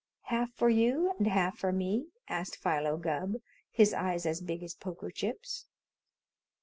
"Half for you and half for me?" asked Philo Gubb, his eyes as big as poker chips.